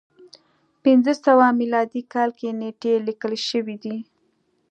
په پنځه سوه میلادي کال کې نېټې لیکل شوې دي.